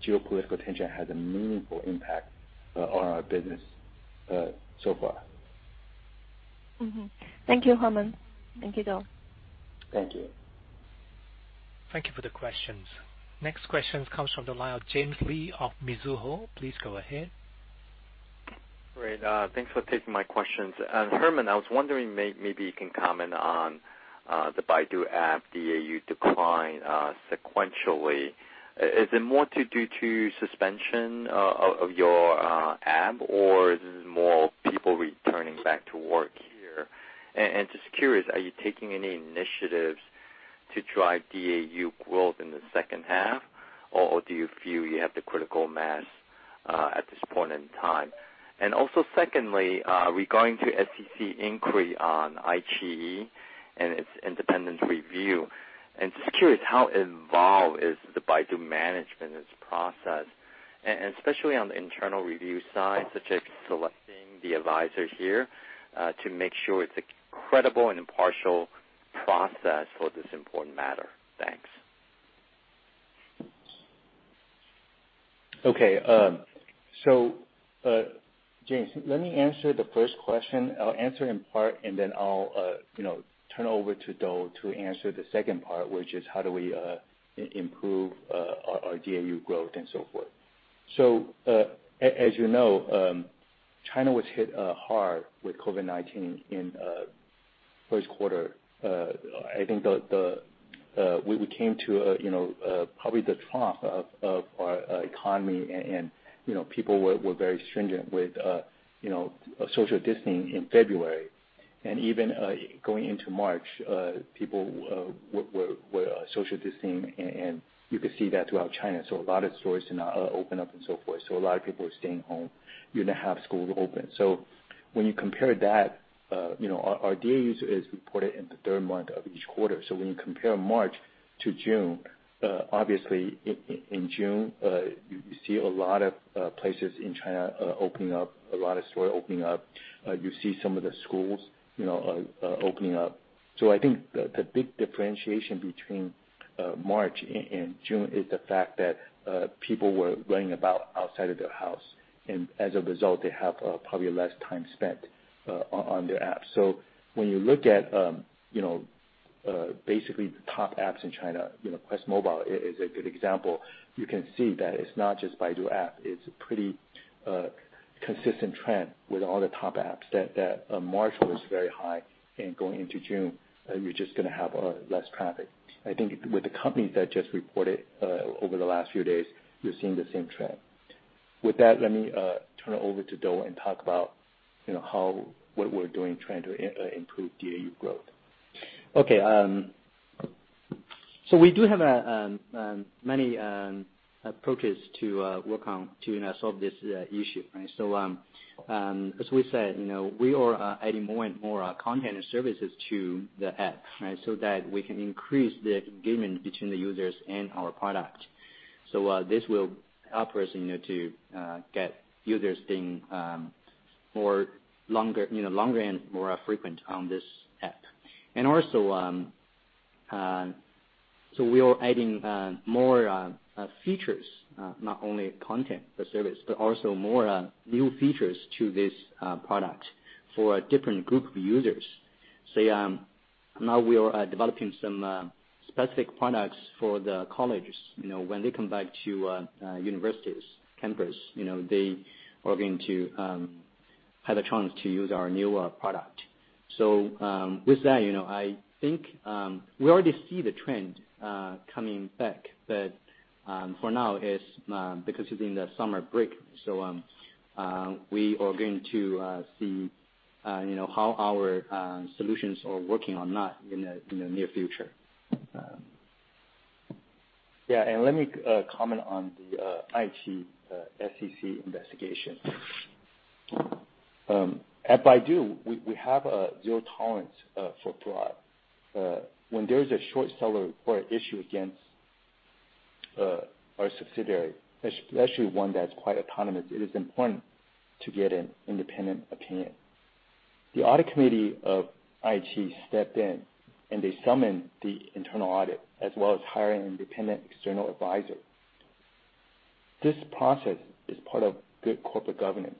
geopolitical tension has a meaningful impact on our business so far. Thank you, Herman. Thank you, Dou. Thank you. Thank you for the questions. Next questions comes from the line of James Lee of Mizuho. Please go ahead. Great. Thanks for taking my questions. Herman, I was wondering maybe you can comment on the Baidu app DAU decline sequentially. Is it more to do to suspension of your app, or is this more people returning back to work here? Just curious, are you taking any initiatives to drive DAU growth in the second half, or do you feel you have the critical mass at this point in time? Also secondly, regarding to SEC inquiry on iQiYi and its independent review, just curious, how involved is the Baidu management in this process, and especially on the internal review side, such as selecting the advisor here to make sure it's a credible and impartial process for this important matter? Thanks. Okay. James, let me answer the first question. I'll answer in part and then I'll turn over to Dou to answer the second part, which is how do we improve our DAU growth and so forth. As you know, China was hit hard with COVID-19 in first quarter. I think we came to probably the trough of our economy and people were very stringent with social distancing in February. Even going into March, people were social distancing, and you could see that throughout China. A lot of stores did not open up and so forth. A lot of people were staying home. You didn't have schools open. When you compare that, our DAU is reported in the third month of each quarter. When you compare March to June, obviously in June, you see a lot of places in China opening up, a lot of stores opening up. You see some of the schools opening up. I think the big differentiation between March and June is the fact that people were going about outside of their house, and as a result, they have probably less time spent on their apps. When you look at basically the top apps in China, QuestMobile is a good example. You can see that it's not just Baidu app, it's a pretty consistent trend with all the top apps, that March was very high and going into June, you're just going to have less traffic. I think with the companies that just reported over the last few days, you're seeing the same trend. With that, let me turn it over to Dou and talk about what we're doing trying to improve DAU growth. Okay. We do have many approaches to work on to solve this issue, right? As we said, we are adding more and more content and services to the app, right? That we can increase the engagement between the users and our product. This will help us to get users being longer and more frequent on this app. Also, we are adding more features, not only content for service, but also more new features to this product for a different group of users. Now we are developing some specific products for the colleges. When they come back to universities, campus, they are going to have a chance to use our new product. With that, I think we already see the trend coming back, but for now it's because it's in the summer break. We are going to see how our solutions are working or not in the near future. Let me comment on the iQIYI SEC investigation. At Baidu, we have zero tolerance for fraud. When there is a short seller for an issue against our subsidiary, especially one that's quite autonomous, it is important to get an independent opinion. The audit committee of iQIYI stepped in and they summoned the internal audit as well as hiring an independent external advisor. This process is part of good corporate governance,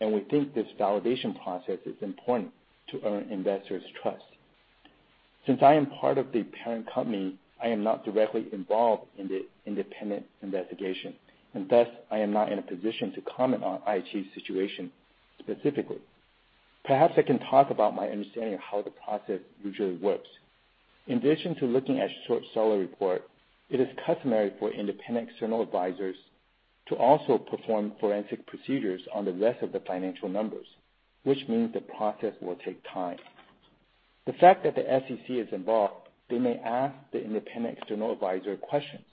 and we think this validation process is important to earn investors' trust. Since I am part of the parent company, I am not directly involved in the independent investigation, and thus I am not in a position to comment on iQIYI situation specifically. Perhaps I can talk about my understanding of how the process usually works. In addition to looking at short seller report, it is customary for independent external advisors to also perform forensic procedures on the rest of the financial numbers, which means the process will take time. The fact that the SEC is involved, they may ask the independent external advisor questions,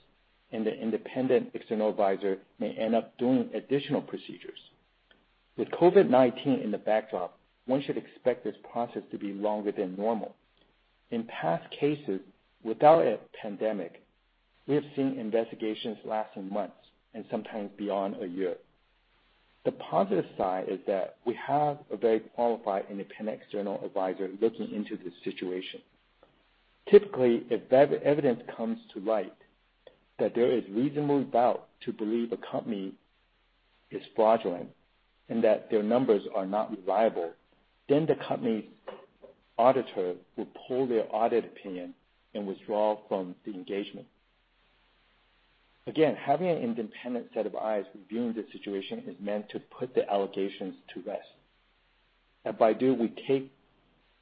and the independent external advisor may end up doing additional procedures. With COVID-19 in the backdrop, one should expect this process to be longer than normal. In past cases, without a pandemic, we have seen investigations lasting months and sometimes beyond a year. The positive side is that we have a very qualified independent external advisor looking into this situation. Typically, if evidence comes to light that there is reasonable doubt to believe a company is fraudulent and that their numbers are not reliable, then the company auditor will pull their audit opinion and withdraw from the engagement. Again, having an independent set of eyes reviewing the situation is meant to put the allegations to rest. At Baidu,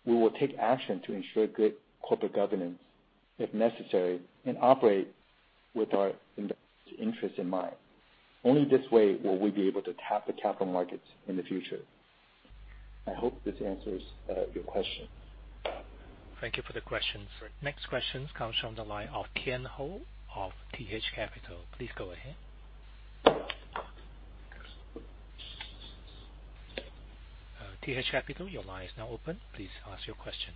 we will take action to ensure good corporate governance if necessary and operate with our investors' interest in mind. Only this way will we be able to tap the capital markets in the future. I hope this answers your question? Thank you for the question, sir. Next questions comes from the line of Tian Hou of TH Capital. Please go ahead. TH Capital, your line is now open. Please ask your question.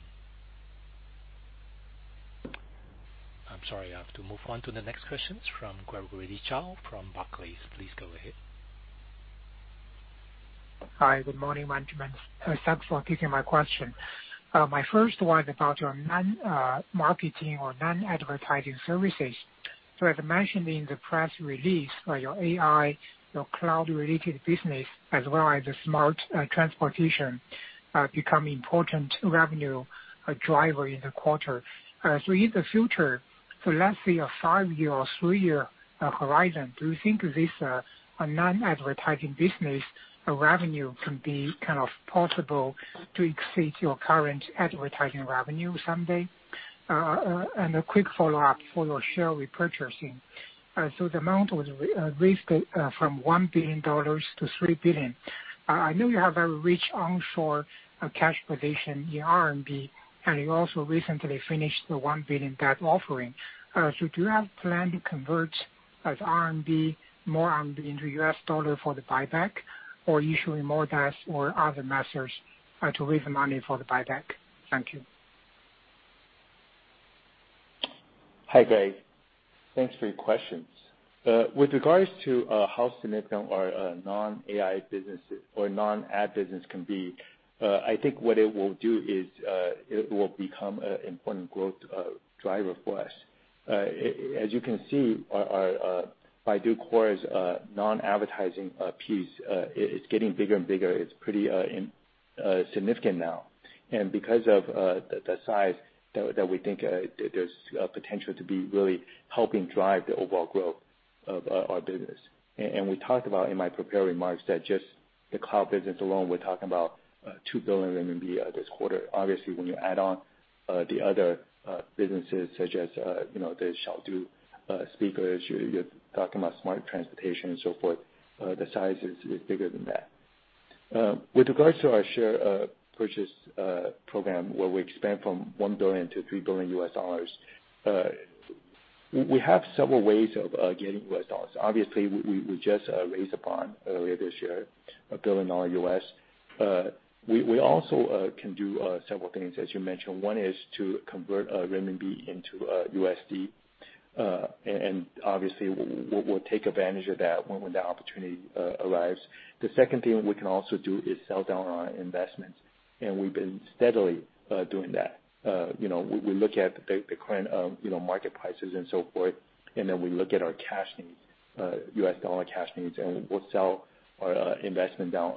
I'm sorry, I have to move on to the next questions from Gregory Zhao from Barclays. Please go ahead. Hi, good morning, management. Thanks for taking my question. My first one about your non-marketing or non-advertising services. As mentioned in the press release, your AI, your cloud-related business as well as the smart transportation become important revenue driver in the quarter. In the future, let's say a five year or three year horizon, do you think this non-advertising business revenue can be kind of possible to exceed your current advertising revenue someday? A quick follow-up for your share repurchasing. The amount was raised from $1 billion-3$ billion. I know you have a rich onshore cash position in RMB, and you also recently finished the 1 billion debt offering. Do you have plan to convert as RMB, more RMB into $ for the buyback, or issuing more debts or other methods to raise the money for the buyback? Thank you. Hi, Greg. Thanks for your questions. With regards to how significant our non-AI businesses or non-ad business can be, I think what it will do is it will become an important growth driver for us. As you can see, our Baidu Core's non-advertising piece is getting bigger and bigger. It's pretty significant now. Because of the size that we think there's potential to be really helping drive the overall growth of our business. We talked about in my prepared remarks that just the cloud business alone, we're talking about 2 billion RMB this quarter. Obviously, when you add on the other businesses such as the Xiaodu speakers, you're talking about smart transportation and so forth, the size is bigger than that. With regards to our share purchase program, where we expand from $1 billion to $3 billion, we have several ways of getting US dollars. Obviously, we just raised a bond earlier this year, $1 billion. We also can do several things, as you mentioned. One is to convert RMB into USD, obviously we'll take advantage of that when the opportunity arrives. The second thing we can also do is sell down our investments, we've been steadily doing that. We look at the current market prices and so forth, then we look at our cash needs, U.S. dollar cash needs, we'll sell our investment down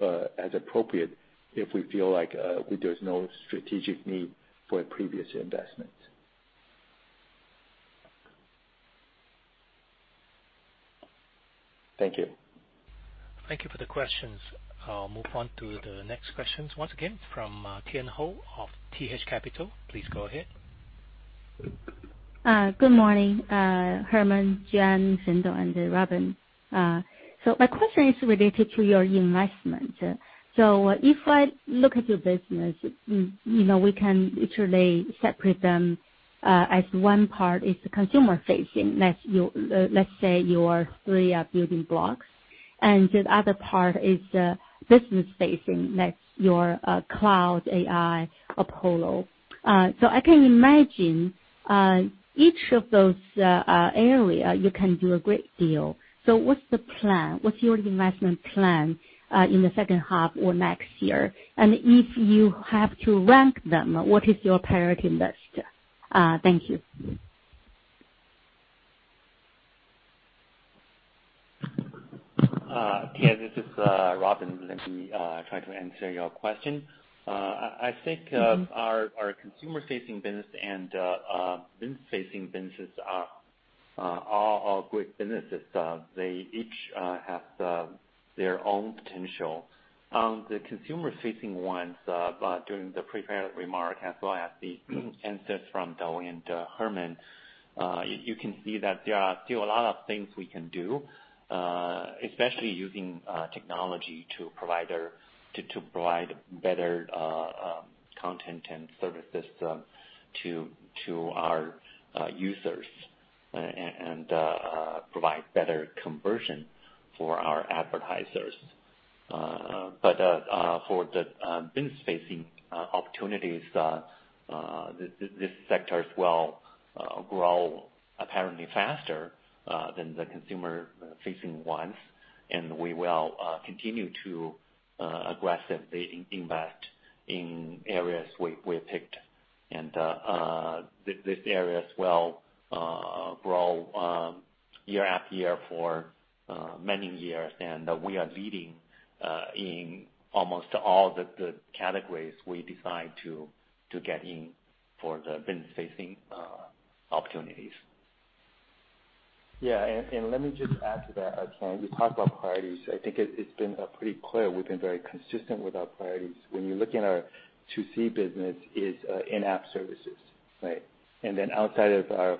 as appropriate if we feel like there's no strategic need for previous investments. Thank you. Thank you for the questions. I'll move on to the next questions, once again from Tian Hou of TH Capital. Please go ahead. Good morning, Herman, Juan, Dou Shen, and Robin. My question is related to your investment. If I look at your business, we can literally separate them as one part is the consumer-facing, let's say your three building blocks, and the other part is business-facing, that's your cloud AI Apollo. I can imagine each of those areas you can do a great deal. What's the plan? What's your investment plan in the second half or next year? If you have to rank them, what is your priority invest? Thank you. Tian, this is Robin. Let me try to answer your question. I think our consumer-facing business and business-facing businesses are all good businesses. They each have their own potential. The consumer-facing ones, during the prepared remark, as well as the answers from Dou and Herman, you can see that there are still a lot of things we can do, especially using technology to provide better content and services to our users and provide better conversion for our advertisers. For the business-facing opportunities, this sector as well grow apparently faster than the consumer-facing ones, we will continue to aggressively invest in areas we have picked. These areas will grow year after year for many years. We are leading in almost all the categories we decide to get in for the business-facing opportunities. Yeah, let me just add to that. Again, we talked about priorities. I think it's been pretty clear. We've been very consistent with our priorities. When you look in our 2C business is in-app services, right? Outside of our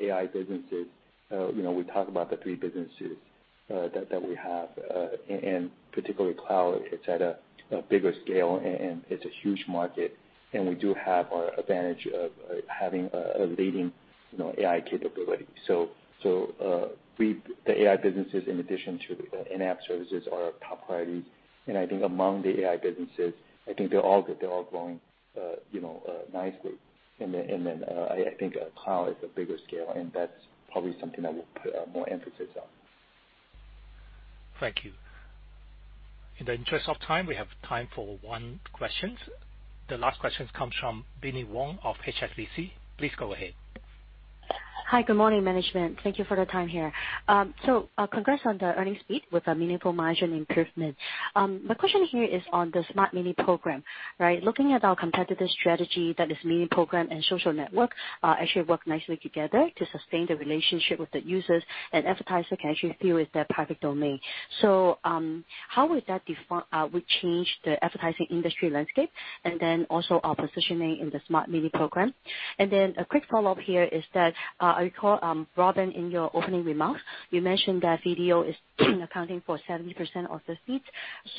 AI businesses, we talk about the three businesses that we have, and particularly cloud, it's at a bigger scale and it's a huge market, and we do have our advantage of having a leading AI capability. The AI businesses, in addition to the in-app services, are a top priority. I think among the AI businesses, I think they're all good. They're all growing nicely. I think cloud is a bigger scale, and that's probably something I will put more emphasis on. Thank you. In the interest of time, we have time for one question. The last question comes from Binnie Wong of HSBC. Please go ahead. Hi. Good morning, management. Thank you for the time here. Congrats on the earnings beat with a meaningful margin improvement. My question here is on the Smart Mini Program. Looking at our competitive strategy, that is Mini Program and social network actually work nicely together to sustain the relationship with the users, and advertisers can actually feel it's their private domain. How would that change the advertising industry landscape, and then also our positioning in the Smart Mini Program? A quick follow-up here is that I recall, Robin, in your opening remarks, you mentioned that video is accounting for 70% of the feeds.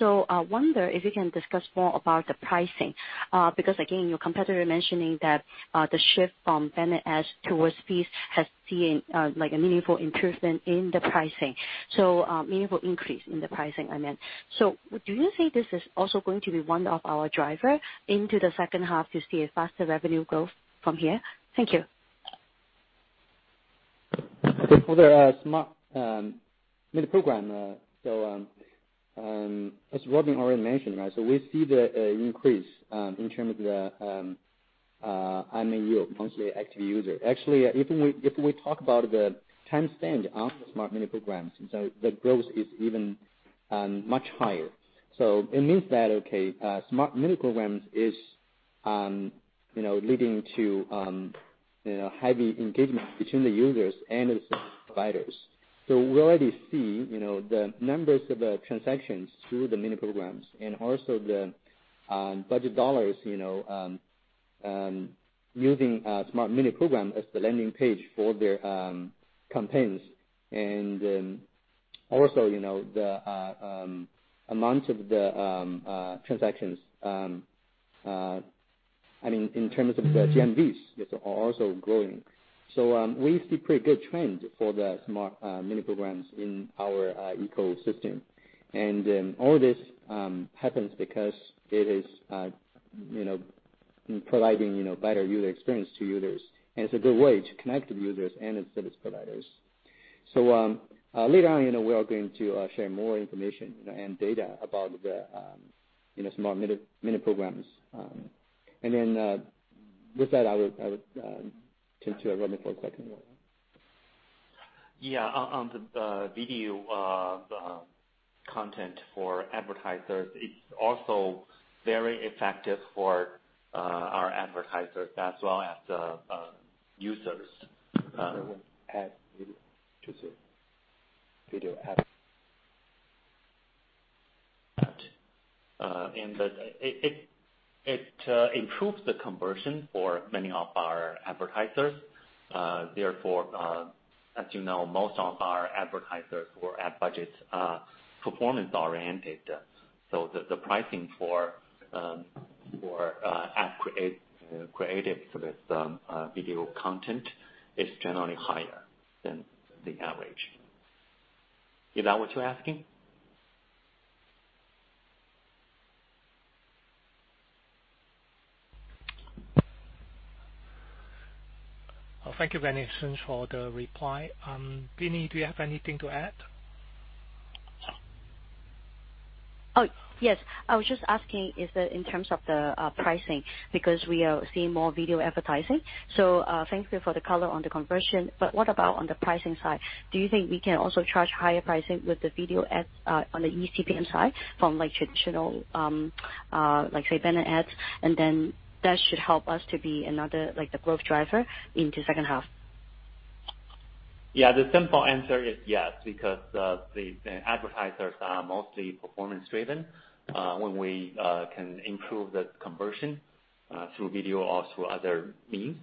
I wonder if you can discuss more about the pricing, because again, your competitor mentioning that the shift from banner ads towards feeds has seen a meaningful improvement in the pricing. Meaningful increase in the pricing, I meant. Do you think this is also going to be one of our driver into the second half to see a faster revenue growth from here? Thank you. For the Smart Mini Program, as Robin already mentioned, we see the increase in terms of the MAU, monthly active user. Actually, if we talk about the time spent on the Smart Mini Programs, the growth is even much higher. It means that, okay, Smart Mini Programs is leading to heavy engagement between the users and the service providers. We already see the numbers of the transactions through the Smart Mini Programs and also the budget RMB, using Smart Mini Program as the landing page for their campaigns. Also, the amount of the transactions, I mean, in terms of the GMVs, it's also growing. We see pretty good trends for the Smart Mini Programs in our ecosystem. All this happens because it is providing better user experience to users, and it's a good way to connect with users and its service providers. Later on, we are going to share more information and data about the Smart Mini Programs. With that, I would turn to Robin for a second round. Yeah. On the video content for advertisers, it's also very effective for our advertisers as well as the users. Video ad. Video ad. It improves the conversion for many of our advertisers. Therefore, as you know, most of our advertisers who are ad budget performance oriented, the pricing for ad creative with video content is generally higher than the average. Is that what you're asking? Thank you very much for the reply. Binnie, do you have anything to add? Oh, yes. I was just asking, is it in terms of the pricing, because we are seeing more video advertising. Thank you for the color on the conversion. What about on the pricing side? Do you think we can also charge higher pricing with the video ads on the eCPM side from traditional, let's say, banner ads? That should help us to be another growth driver into second half. Yeah. The simple answer is yes, because the advertisers are mostly performance-driven. When we can improve the conversion through video or through other means,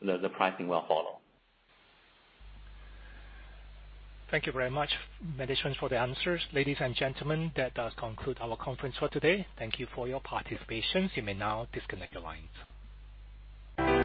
the pricing will follow. Thank you very much, managers, for the answers. Ladies and gentlemen, that does conclude our conference for today. Thank you for your participation. You may now disconnect your lines.